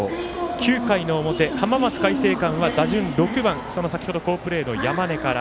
９回の表、浜松開誠館は打順６番その先ほど、好プレーの山根から。